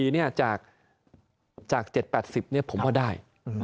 ๖๔เนี่ยจาก๗๘๐เนี่ยผมว่าได้